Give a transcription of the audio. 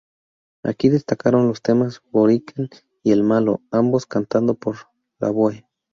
Aquí destacaron los temas "Borinquen" y "El Malo", ambos cantados por Lavoe.